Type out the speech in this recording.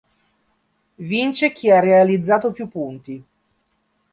Vince chi ha realizzato più punti.